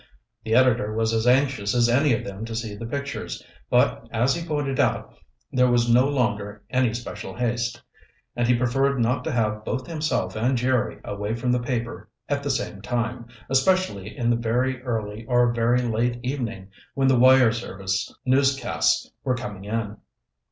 The editor was as anxious as any of them to see the pictures, but, as he pointed out, there was no longer any special haste, and he preferred not to have both himself and Jerry away from the paper at the same time, especially in the very early or very late evening when the wire service newscasts were coming in.